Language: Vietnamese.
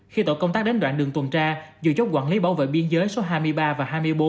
khi tổ công tác đến đoạn đường tuần tra giữa chốt quản lý bảo vệ biên giới số hai mươi ba và hai mươi bốn